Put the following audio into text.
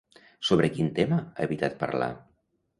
Sobre quin tema ha evitat parlar?